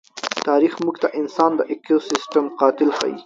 تاریخ موږ ته انسان د ایکوسېسټم قاتل ښيي.